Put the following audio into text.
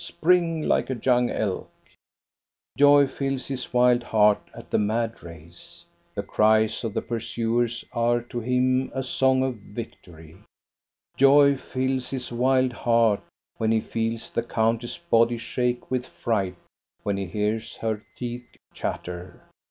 Spring like a young elk !" Joy fills his wild heart at the mad race. The cries of the pursuers are to him a song of victory. Joy fills his wild heart when he feels the countess's body shake with fright, when he hears her teeth chatter.